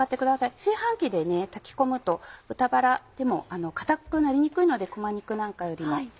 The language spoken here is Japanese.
炊飯器で炊き込むと豚バラでも硬くなりにくいのでこま肉なんかよりも。